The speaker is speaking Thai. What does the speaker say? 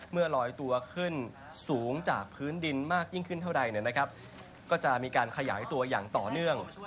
ลอยตัวขึ้นสูงจากพื้นดินมากยิ่งขึ้นเท่าใดก็จะมีการขยายตัวอย่างต่อเนื่อง